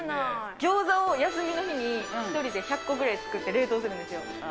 ギョーザを休みの日に１人で１００個くらい作って、冷凍するんですよ。